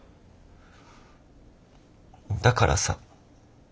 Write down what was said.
だからさ